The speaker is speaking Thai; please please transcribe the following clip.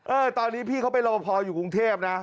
ตอนนี้พี่เขาเป็นรบพออยู่กรุงเทพนะ